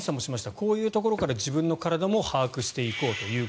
こういうところから自分の体も把握していこうと。